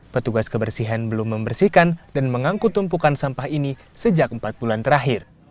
petugas kebersihan belum membersihkan dan mengangkut tumpukan sampah ini sejak empat bulan terakhir